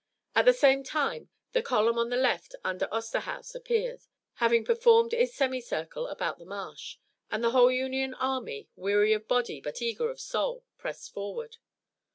At the same time the column on the left under Osterhaus appeared, having performed its semicircle about the marsh, and the whole Union army, weary of body but eager of soul, pressed forward.